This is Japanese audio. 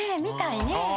見たいね。